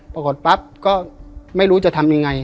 ปรากฏปั๊บก็ไม่รู้จะทำยังไง